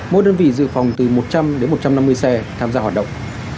mỗi đơn vị dự phòng từ một trăm linh đến một trăm năm mươi xe tham gia hoạt động